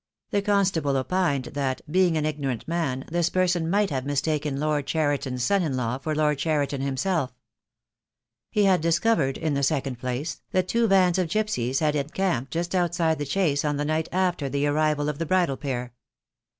The constable opined that, being an ignorant man, this person might have mistaken Lord Cheriton's son in law for Lord Cheri ton himself. THE DAY WILL COME. 95 He had discovered, in the second place, that two vans of gipsies had encamped just outside the Chase on the night after the arrival of the bridal pair.